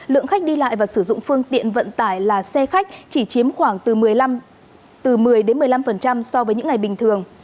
lượng khách đi lại và sử dụng phương tiện vận tải là xe khách chỉ chiếm khoảng từ một mươi một mươi năm so với những ngày bình thường